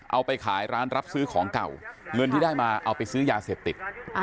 เอาไปขายร้านรับซื้อของเก่าเงินที่ได้มาเอาไปซื้อยาเสพติด